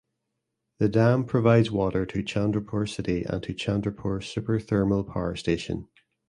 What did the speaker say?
The dam provides water to Chandrapur city and to Chandrapur Super Thermal Power Station.